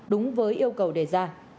đúng với yêu cầu đề ra